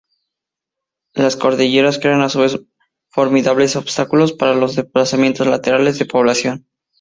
Las cordilleras crean a su vez formidables obstáculos para los desplazamientos laterales de población.